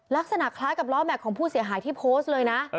ลักษณะคล้ายกับล้อแม็กซของผู้เสียหายที่โพสต์เลยนะ